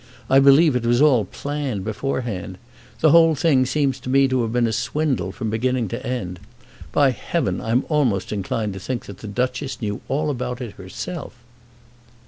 I believe it was all planned beforehand. The whole thing seems to me to have been a swindle from beginning to end. By heaven, I'm almost inclined to think that the Duchess knew all about it herself!"